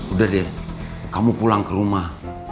udah deh kamu pulang ke rumah